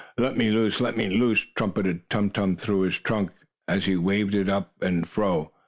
"Let me loose! Let me loose!" trumpeted Tum Tum through his trunk, as he waved it to and fro.